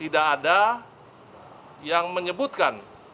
tidak ada yang menyebutkan